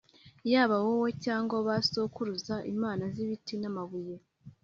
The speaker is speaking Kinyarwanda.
yaba wowe cyangwa ba sokuruza, imana z’ibiti n’amabuye